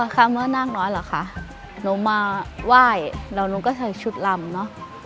คำว่านาคน้อยเหรอคะหนูมาไหว้แล้วหนูก็ใส่ชุดลำเนอะ